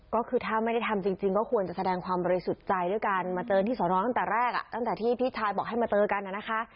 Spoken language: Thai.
ก็คือถ้าไม่ได้ทำจริงก็ควรจะแสดงความบริสุทธิ์ใจด้วยการมาเจอที่สอนอตั้งแต่แรกตั้งแต่ที่พี่ชายบอกให้มาเจอกันนะคะ